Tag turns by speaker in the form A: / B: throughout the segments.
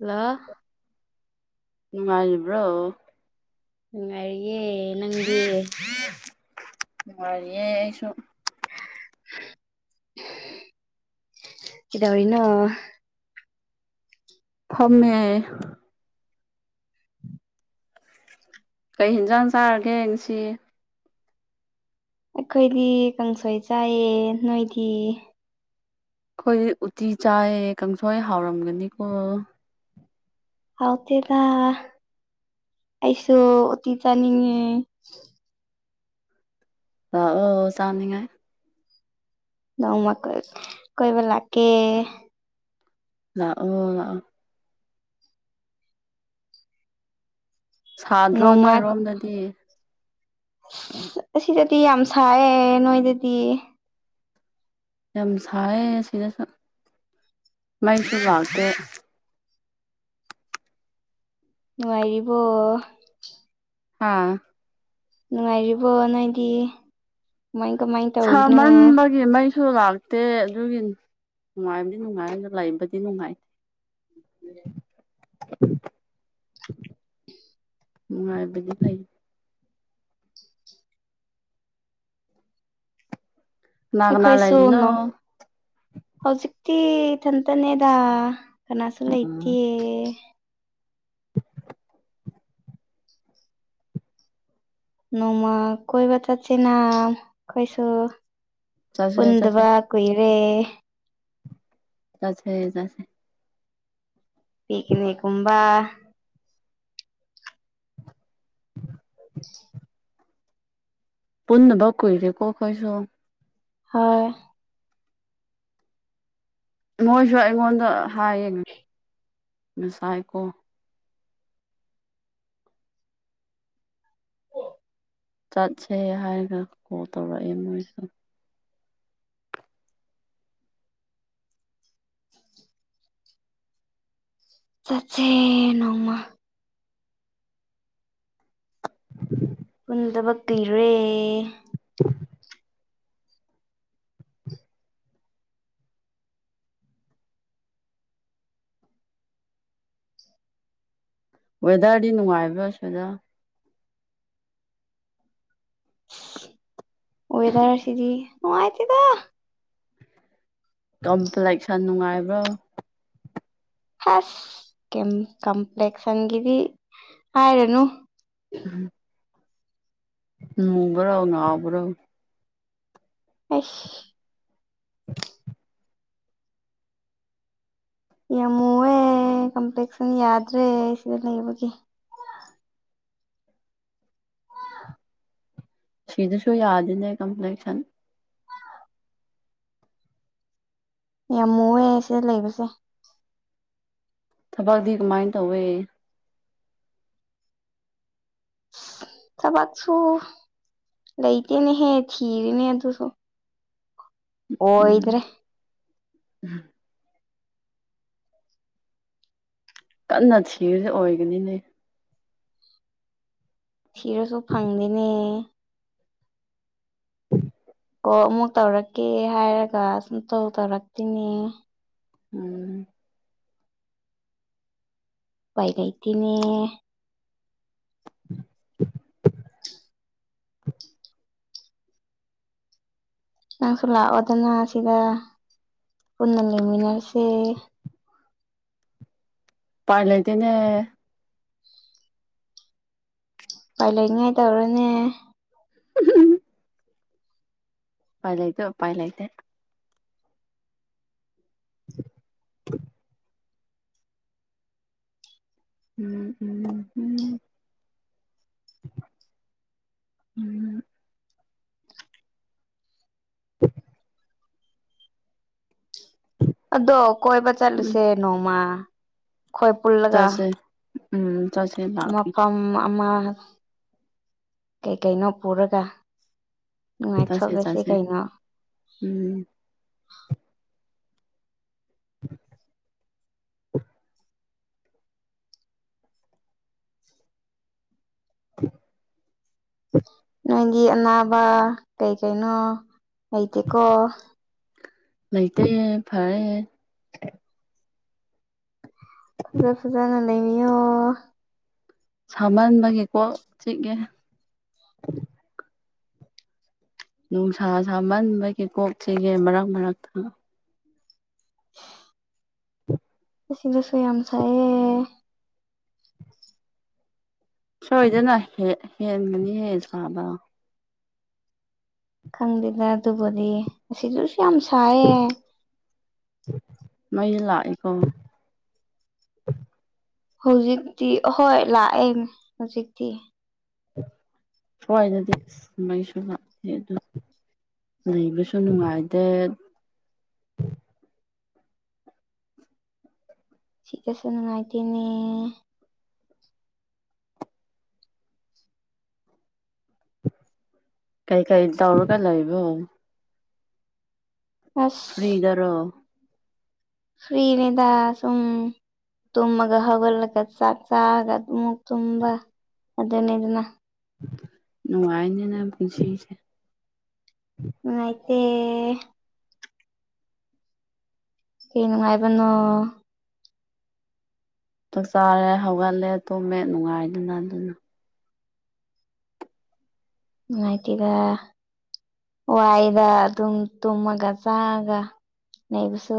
A: hello
B: ꯅꯨꯉꯥꯏꯔꯤꯕ꯭ꯔꯣ
A: ꯅꯨꯡꯉꯥꯏꯔꯤꯌ‌ꯦ
B: ꯅꯨꯉꯥꯏꯔꯤꯌꯦ ꯑꯩꯁꯨ
A: ꯀ‌ꯦꯗꯧꯔꯤꯅꯣ
B: ꯐꯝꯃꯦ ꯀꯩ ꯍ‌ꯦꯟꯖꯥꯡ ꯆꯥꯔꯒꯦ ꯉꯁꯤ
A: ꯑꯈꯣꯏꯗꯤ ꯀꯥꯡꯁꯣꯏ ꯆꯥꯏꯌꯦ ꯅꯣꯏꯗꯤ
B: ꯈꯣꯏꯗꯤ ꯎꯇꯤ ꯆꯥꯏꯌ‌ꯦ ꯀꯥꯡꯁꯣꯏ ꯍꯥꯎꯔꯝ ꯒꯅꯤꯀꯣ
A: ꯍꯥꯎ ꯇꯦꯗ ꯑꯩꯁꯨ ꯎꯇꯤ ꯆꯅꯤꯡꯉꯦ
B: ꯂꯥꯑꯣ ꯆꯥꯅꯤꯡꯉꯥꯏ
A: ꯅꯣꯡꯃꯥ ꯀ‌ꯣꯏ ꯀꯣꯏꯕ ꯂꯥꯛꯀꯦ
B: ꯂꯥꯑꯣ ꯂꯥꯑꯣ ꯁꯥꯗ꯭ꯔꯣ
A: ꯅꯣꯡꯃ
B: ꯅꯣꯏꯔꯣꯝꯗꯗꯤ
A: ꯑꯁꯤꯗꯗꯤ ꯌꯥꯝ ꯁꯥꯏꯌꯦ ꯅꯣꯏꯗꯗꯤ
B: ꯌꯥꯝ ꯁꯥꯏꯌꯦ ꯁꯤꯗꯁꯨ ꯃꯩꯁꯨ ꯂꯥꯛꯇꯦ
A: ꯅꯨꯉꯥꯏꯔꯤꯕꯣ
B: ꯑꯥ
A: ꯅꯨꯉꯥꯏꯔꯤꯕꯣ ꯅꯣꯏꯗꯤ ꯀꯃꯥꯏ ꯀꯃꯥꯏ ꯇꯧꯔꯤꯅꯣ
B: ꯁꯥꯃꯟꯕ ꯒꯤ ꯃꯩꯁꯨ ꯂꯥꯛꯇꯦ ꯑꯗꯨꯒꯤ ꯅꯨꯡꯉꯥꯏꯕꯗꯤ ꯅꯨꯡꯉꯥꯏ ꯑꯗꯨ ꯂꯩꯕꯗꯤ ꯅꯨꯡꯉꯥꯏ
A: [unintelligible]
B: ꯅꯨꯡꯉꯥꯏꯕꯗꯤ ꯐꯩ ꯀꯅꯥ ꯀꯅꯥ
A: ꯑꯩꯈꯣꯏꯁꯨ
B: ꯂꯩꯔꯤꯅꯣ
A: ꯅꯣ ꯍꯧꯖꯤꯛꯇꯤ ꯏꯊꯟꯇꯅꯦꯗ ꯀꯅꯥꯁꯨ
B: ꯎꯝ
A: ꯂꯩꯇꯦ ꯅꯣꯡꯃ ꯀꯣꯏꯕ ꯆꯠꯁꯦꯅ ꯑꯈꯣꯏꯁꯨ
B: ꯆꯠꯁꯦ ꯆꯠꯁꯦ
A: ꯄꯨꯟꯗꯕ ꯀꯨꯏꯔꯦ
B: ꯆꯠꯁꯦ ꯆꯠꯁꯦ
A: ꯄꯤꯀꯤꯅꯤꯛ ꯀꯨꯝꯕ
B: ꯄꯨꯟꯗꯕ ꯀꯨꯏꯔꯦꯀꯣ ꯑꯈꯣꯏꯁꯨ
A: ꯍꯣꯏ
B: ꯃꯣꯏꯁꯨ ꯑꯩꯉꯣꯟꯗ ꯍꯥꯏꯌꯦ ꯉꯁꯥꯏꯀꯣ ꯆꯠꯁꯦ ꯍꯥꯏꯔꯒ ꯀꯣꯜ ꯇꯧꯔꯛꯑꯦ ꯃꯣꯏ
A: ꯆꯠꯁꯦ ꯅꯣꯡꯃ
B: [inaudible]
A: ꯄꯨꯟꯗꯕ ꯀꯨꯏꯔꯦ
B: ꯋꯦꯗꯔꯗꯤ ꯅꯨꯡꯉꯥꯏꯕ꯭ꯔꯥ ꯁꯤꯗ
A: ꯋꯦꯗꯔꯁꯤꯗ ꯅꯨꯉꯥꯏꯇꯦꯗ
B: ꯀꯝ ꯄ꯭ꯂꯦꯛꯁꯟ ꯅꯨꯡꯉꯥꯏꯕ꯭ꯔꯣ
A: ꯍꯁ ꯀꯦꯝ ꯀꯝꯄ꯭ꯂꯦꯛꯁꯟꯒꯤꯗꯤ ꯍꯥꯏꯔꯅꯨ
B: ꯎꯝ ꯃꯨꯕ꯭ꯔꯣ ꯉꯥꯎꯕ꯭ꯔꯣ
A: ꯑꯩꯁ ꯌꯥꯝꯃꯨꯑꯦ ꯀꯝꯄ꯭ꯂꯦꯛꯁꯟ ꯌꯥꯗ꯭ꯔꯦ ꯁꯤꯗ ꯂꯩꯕꯒꯤ
B: ꯁꯤꯗꯁꯨ ꯌꯥꯗꯦꯅꯦ ꯀꯝꯄ꯭ꯂꯦꯛꯁꯟ
A: ꯌꯥꯝ ꯃꯨꯑꯦ ꯁꯤꯗ ꯂꯩꯕꯁꯦ
B: ꯊꯕꯛꯇꯤ ꯀꯃꯥꯏꯅ ꯇꯧꯋꯦ
A: ꯊꯕꯛꯁꯨ ꯂꯩꯇꯦꯅꯦꯍꯦ ꯊꯤꯔꯤꯅꯦ ꯑꯗꯨꯁꯨ
B: ꯎꯝ
A: ꯑꯣꯏꯗ꯭ꯔꯦ
B: [inaudible] ꯀꯟꯅ ꯊꯤꯔꯗꯤ ꯑꯣꯏꯒꯅꯤꯅꯦ
A: ꯊꯤꯔꯁꯨ ꯐꯪꯗꯦꯅꯦ ꯀꯣꯜ ꯑꯃꯨꯛ ꯇꯧꯔꯛꯀꯦ ꯍꯥꯏꯔꯒ ꯁꯨꯡꯇꯧ ꯇꯧꯔꯛꯇꯦꯅꯦ
B: ꯎꯝ
A: ꯎꯄꯥꯏ ꯂꯩꯇꯦꯅꯦ ꯅꯪꯁꯨ ꯂꯥꯛꯑꯣꯗꯅ ꯁꯤꯗ ꯄꯨꯟꯅ ꯂꯩꯃꯤꯟꯅꯔꯁꯦ
B: ꯎꯄꯥꯏ ꯂꯩꯇꯦꯅꯦ
A: ꯎꯄꯥꯏ ꯂꯩꯅꯤꯉꯥꯏ ꯇꯧꯔꯣꯅꯦ
B: [unintelligible] ꯄꯥꯏ ꯂꯩꯇꯣ ꯄꯥꯏ ꯂꯩꯥꯇꯦ [inaudible] ꯎꯝ ꯎꯝ ꯎꯝ ꯎꯝ [unintelligible]
A: ꯑꯗꯣ ꯀꯣꯏꯕ
B: ꯎꯝ
A: ꯆꯠꯂꯨꯁꯦ ꯅꯣꯡꯃ ꯈꯣꯏ ꯄꯨꯜꯂꯒ
B: ꯆꯠꯁꯦ ꯎꯝ ꯆꯠꯁꯦ ꯂꯥꯛꯀꯦ
A: ꯃꯐꯝ ꯑꯃ ꯀꯩꯀꯩꯅꯣ ꯄꯨꯔꯒ
B: ꯆꯠꯁꯦ
A: ꯅꯨꯡꯉꯥꯏꯊꯣꯛꯂꯁꯤ
B: ꯆꯠꯁꯦ
A: ꯀꯩꯅꯣ
B: ꯎꯝ [inaudible]
A: ꯅꯣꯏꯒꯤ ꯑꯅꯥꯕ ꯀꯩ ꯀꯩꯅꯣ ꯂꯩꯇꯦꯀꯣ
B: ꯂꯩꯇꯦ ꯐꯔꯦ
A: ꯐꯖ ꯐꯖꯅ ꯂꯩꯕꯤꯌꯣ
B: ꯁꯃꯥꯟꯕꯒꯤ ꯀꯣꯛ ꯆꯤꯛꯑꯦ ꯅꯨꯡꯁꯥ ꯁꯥꯃꯟꯕꯒꯤ ꯀꯣꯛ ꯆꯤꯛꯑꯦ ꯃꯔꯛ ꯃꯔꯛꯇ
A: ꯎ [unintelligible] [inaudible] ꯑꯁꯤꯗꯁꯨ ꯌꯥꯝ ꯁꯥꯏꯌꯦ
B: ꯁꯣꯏꯗꯅ ꯍꯦꯟ ꯍꯦꯟꯒꯅꯤꯍꯦ ꯁꯥꯕ
A: ꯈꯪꯗꯦꯗ ꯑꯗꯨꯕꯨꯗꯤ ꯑꯁꯤꯗꯨꯁꯨ ꯌꯥꯝ ꯁꯥꯏꯌꯦ
B: ꯃꯩ ꯂꯥꯛꯑꯦꯀꯣ
A: ꯍꯧꯖꯤꯛꯇꯤ ꯑꯍꯣꯏ ꯂꯥꯛꯑꯦꯅꯦ ꯍꯧꯖꯤꯛꯇꯤ
B: ꯁ꯭ꯋꯥꯏꯗꯗꯤ ꯃꯩꯁꯨ ꯂꯥꯛꯇꯦ ꯑꯗꯨ [unintelligible] ꯂꯩꯕꯁꯨ ꯅꯨꯡꯉꯥꯏꯇꯦ
A: ꯁꯤꯒꯁꯨ ꯅꯨꯡꯉꯥꯏꯇꯦꯅꯦ
B: ꯀꯩ ꯀꯩ ꯇꯧꯔꯒ ꯂꯩꯕꯣ
A: ꯑꯁ
B: ꯐ꯭ꯔꯤꯗꯔꯣ
A: ꯐ꯭ꯔꯤꯅꯦꯗ ꯁꯨꯝ ꯇꯨꯝꯃꯒ ꯍꯧꯒꯠꯂꯒ ꯆꯥꯛ ꯆꯒ ꯑꯃꯨꯛ ꯇꯨꯝꯕ ꯑꯗꯨꯅꯦꯗꯅ
B: ꯅꯨꯡꯉꯥꯏꯅꯦ ꯅꯪ ꯄꯨꯟꯁꯤꯁꯦ
A: ꯅꯨꯡꯉꯥꯏꯇꯦ ꯀꯩ ꯅꯨꯡꯉꯥꯏꯕꯅꯣ
B: ꯆꯥꯛ ꯆꯥꯔꯦ ꯍꯧꯒꯠꯂꯦ ꯇꯨꯝꯃꯦ ꯅꯨꯡꯉꯥꯏꯗꯅ ꯑꯗꯨꯅ
A: ꯅꯨꯡꯉꯥꯏꯇꯦꯗ ꯋꯥꯏꯗ ꯑꯗꯨꯝ ꯇꯨꯝꯃꯒ ꯆꯥꯔꯒ ꯂꯩꯕꯁꯨ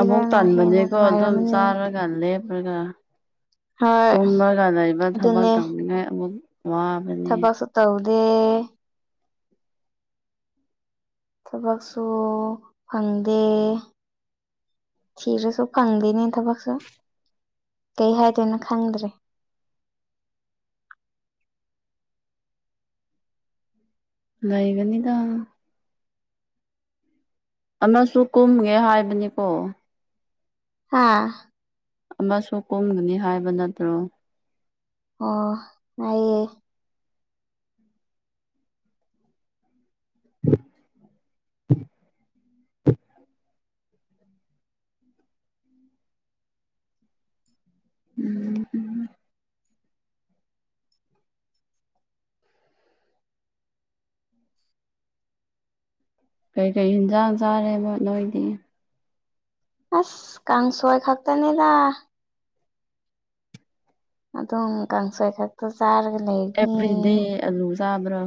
B: ꯑꯃꯨꯛ
A: ꯍꯦꯟꯅ
B: ꯇꯟꯕꯅꯦꯀꯣ ꯑꯗꯨꯝ
A: ꯅꯨꯡꯉꯥꯏꯔꯝꯃꯅꯤ
B: ꯆꯥꯔ ꯒ ꯂꯦꯞꯄꯒ
A: ꯍꯣꯏ
B: ꯇꯨꯝꯃꯒ ꯂꯩꯕ ꯊꯕꯛ
A: ꯑꯗꯨꯅꯦ
B: ꯇꯧꯅꯤꯡꯉꯥꯏ ꯑꯃꯨꯛ ꯋꯥ
A: ꯊꯕꯛꯁꯨ ꯇꯧꯗꯦ ꯊꯕꯛꯁꯨ ꯐꯪꯗꯦ ꯊꯤꯔꯁꯨ ꯐꯪꯗꯦꯅꯦ ꯊꯕꯛꯁꯨ ꯀꯩ ꯍꯥꯏꯗꯣꯏꯅꯣ ꯈꯪꯗ꯭ꯔꯦ
B: ꯂꯩꯒꯅꯤꯗ ꯑꯃꯁꯨ ꯀꯨꯝꯒꯦ ꯍꯥꯏꯕꯅꯤꯀꯣ
A: ꯍꯥꯥ
B: ꯑꯃꯁꯨ ꯀꯨꯝꯒꯅꯤ ꯍꯥꯏꯕ ꯅꯠꯇ꯭ꯔꯣ
A: ꯑꯣ ꯍꯥꯏꯌꯦ
B: [inaudible] [inaudible] ꯎꯝ ꯎꯝ ꯀꯩꯀꯩ ꯍꯤꯟꯖꯥꯡ ꯆꯥꯔꯦꯕ ꯅꯣꯏꯗꯤ
A: ꯑꯁ ꯀꯥꯡꯁꯣꯏ ꯈꯛꯇꯅꯦꯗ ꯑꯗꯨꯝ ꯀꯥꯡꯁꯣꯏ ꯈꯛꯇ ꯆꯥꯔꯒ ꯂꯩꯔꯤꯅꯤ
B: ꯑꯦꯕ꯭ꯔꯤꯗꯦ ꯑꯂꯨ ꯆꯥꯕ꯭ꯔꯣ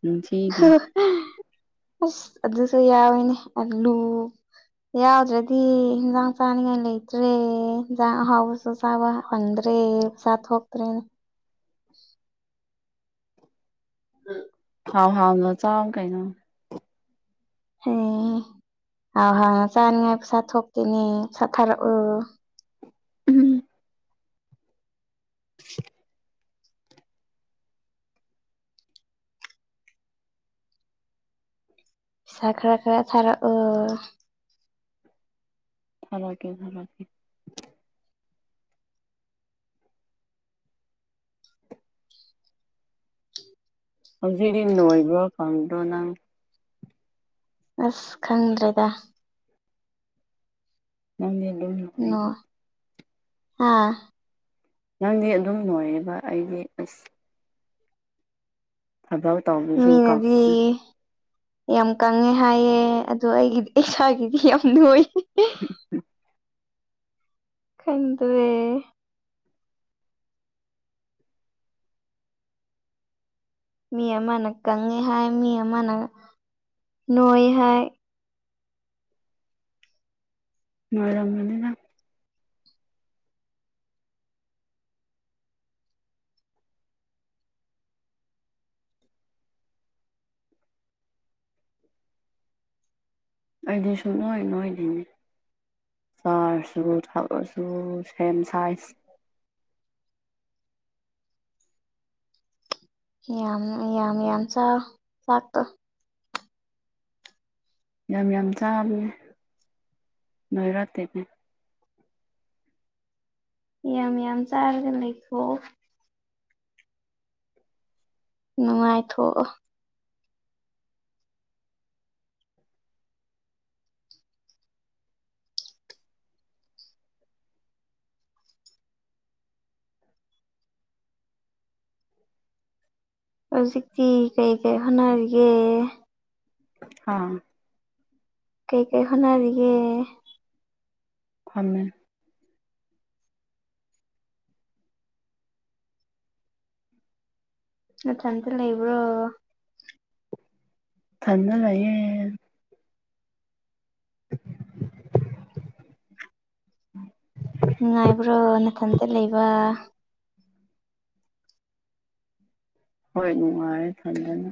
B: ꯄꯨꯟꯁꯤꯒꯤ [unintelligible]
A: ꯑꯁ ꯑꯗꯨꯁꯨ ꯌꯥꯎꯋꯤꯅꯦ ꯑꯂꯨ ꯌꯥꯎꯗ꯭ꯔꯗꯤ ꯍꯤꯟꯖꯥꯡ ꯆꯥꯅꯤꯡꯉꯥꯏ ꯂꯩꯇ꯭ꯔꯦ ꯍꯤꯟꯖꯥꯡ ꯑꯍꯥꯎꯕꯁ ꯁꯨ ꯆꯥꯕ ꯐꯪꯗ꯭ꯔꯦ ꯄꯩꯁꯥ ꯊꯣꯛꯇ꯭ꯔꯦꯅꯦ [inaudible]
B: ꯍꯥꯎ ꯍꯥꯎꯅ ꯆꯥꯎ ꯀꯩꯅꯣ
A: ꯑꯦ ꯍꯥꯎ ꯍꯥꯎꯅ ꯆꯥꯅꯤꯡꯉꯥꯏ ꯄꯩꯁꯥ ꯊꯣꯛꯇꯦꯅꯦ ꯄꯩꯁꯥ ꯊꯥꯔꯛꯑꯣ
B: ꯎꯝ
A: ꯁꯥ ꯈꯔ ꯈꯔ ꯊꯥꯔꯛꯑꯣ
B: ꯊꯝꯃꯛꯀꯦ ꯊꯝꯃꯛꯀꯦ ꯍꯧꯖꯤꯛꯗꯤ ꯅꯣꯏꯕ꯭ꯔ ꯀꯥꯡꯗ꯭ꯔꯣ ꯅꯪ
A: ꯑꯁ ꯈꯪꯗ꯭ꯔꯦꯗ
B: ꯅꯪꯗꯤ ꯑꯗꯨꯝ ꯅꯣꯏ
A: ꯅꯣ ꯍꯥ
B: ꯅꯪꯗꯤ ꯑꯗꯨꯝ ꯅꯣꯏꯌꯦꯕ ꯑꯩꯗꯤ ꯑꯁ ꯊꯕꯛ ꯇꯧꯅꯤ
A: ꯃꯤꯅꯗꯤ ꯌꯥꯝ ꯀꯪꯉꯦ ꯍꯥꯏꯌꯦ ꯑꯗꯣ ꯑꯩꯒꯤꯗꯤ ꯏꯁꯥꯒꯤꯗꯤ ꯌꯥꯝ ꯅꯣꯏꯌꯦ
B: [inaudible]
A: ꯈꯡꯗ꯭ꯔꯦ ꯃꯤ ꯑꯃꯅ ꯀꯪꯉꯦ ꯍꯥꯏ ꯃꯤ ꯑꯃꯅ ꯅꯣꯏ ꯍꯥꯏ
B: ꯅꯣꯏꯔꯝꯃꯅꯤ ꯅꯪ ꯑꯩꯗꯤ ꯁꯨꯛꯅꯣꯏ ꯅꯣꯏꯗꯦꯅꯦ ꯆꯥꯔꯁꯨ ꯊꯛꯑꯁꯨ ꯁꯦꯝ ꯁꯥꯏꯖ
A: ꯌꯥꯝꯅ ꯌꯥꯝ ꯌꯥꯝ ꯆꯥꯎ ꯆꯥꯛꯇꯣ
B: ꯌꯥꯝ ꯌꯥꯝ ꯆꯥꯕꯅꯦ ꯅꯣꯏꯔꯛꯇꯦꯅꯦ
A: ꯌꯥꯝ ꯌꯥꯝ ꯆꯥꯔꯒ ꯂꯩꯊꯣꯛꯑꯣ ꯅꯨꯡꯉꯥꯏꯊꯣꯛꯑꯣ ꯍꯧꯖꯤꯛꯇꯤ ꯀꯩ ꯀꯩ ꯍꯣꯠꯅꯔꯤꯒꯦ
B: ꯍꯥꯥ
A: ꯀꯩꯀꯩ ꯍꯣꯠꯅꯔꯤꯒꯦ
B: ꯐꯝꯃꯦ
A: ꯅꯊꯟꯇ ꯂꯩꯕ꯭ꯔꯣ
B: ꯊꯟꯗ ꯂꯩꯌꯦ
A: ꯅꯨꯡꯉꯥꯏꯕ꯭ꯔꯣ ꯅꯥꯊꯟꯇ ꯂꯩꯕ
B: ꯍꯣꯏ ꯅꯨꯡꯉꯥꯏꯌꯦ ꯏꯊꯟꯗꯅ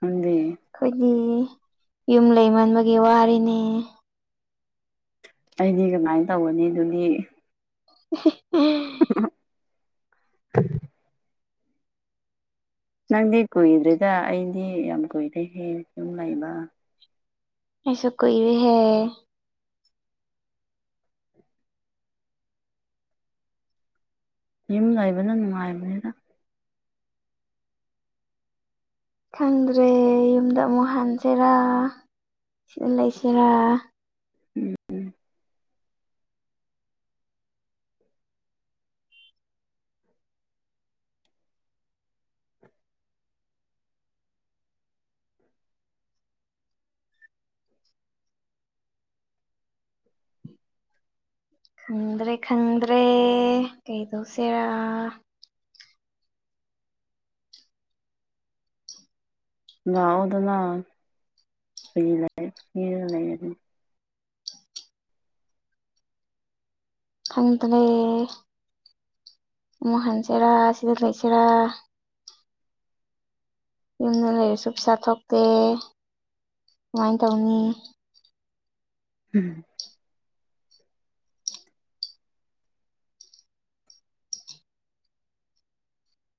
B: ꯅꯪꯗꯤ
A: ꯈꯣꯏꯗꯤ ꯌꯨꯝ ꯂꯩꯃꯟꯕꯒꯤ ꯋꯥꯔꯦꯅꯦ
B: ꯑꯩꯗꯤ ꯀꯃꯥꯏ ꯇꯧꯒꯅꯤ ꯑꯗꯨꯗꯤ
A: [unintelligible]
B: [inaudible] ꯅꯪꯗꯤ ꯀꯨꯏꯗ꯭ꯔꯤꯗ ꯑꯩꯗꯤ ꯌꯥꯝ ꯀꯨꯏꯔꯦꯍꯦ ꯌꯨꯝ ꯂꯩꯕ
A: ꯑꯩꯁꯨ ꯀꯨꯏꯔꯦꯍꯦ
B: ꯌꯨꯝ ꯂꯩꯕꯅ ꯅꯨꯡꯉꯥꯏꯕꯅꯤꯗ
A: ꯈꯪꯗ꯭ꯔꯦ ꯌꯨꯝꯗ ꯑꯃꯨꯛ ꯍꯟꯁꯤꯔꯥ ꯁꯤꯗ ꯂꯩꯁꯤꯔꯥ
B: ꯎꯝ [unintelligible]
A: ꯈꯪꯗ꯭ꯔꯦ ꯈꯪꯗ꯭ꯔꯦ ꯀꯩꯗꯧꯁꯦꯔꯥ
B: ꯂꯥꯛꯑꯣꯗꯅ ꯐ꯭ꯔꯤ ꯂꯩ ꯐ꯭ꯔꯤꯗ ꯂꯩ ꯑꯗꯨ
A: ꯈꯪꯇꯔꯦ ꯑꯃꯨꯛ ꯍꯟꯁꯤꯔꯥ ꯁꯤꯗ ꯂꯩꯁꯤꯔꯥ ꯌꯨꯝꯗ ꯂꯩꯔꯁꯨ ꯄꯩꯁꯥ ꯊꯣꯛꯇꯦ ꯀꯃꯥꯏ ꯇꯧꯅꯤ
B: ꯎꯝ